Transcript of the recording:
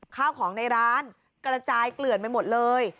ข้าวของในร้านกระจายเกลื่อนไปหมดเลย